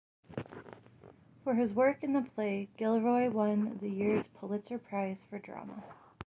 For his work in the play, Gilroy won the year's Pulitzer Prize for Drama.